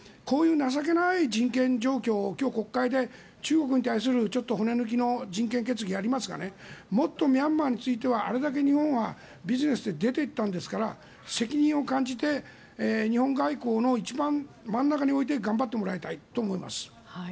こういう情けない人権状況を今日、国会で中国に対するちょっと骨抜きの人権決議をやりますがもっとミャンマーについてはあれだけ日本はビジネスで出ていったんですから責任を感じて日本外交の一番真ん中に置いて頑張ってもらいたいと思います。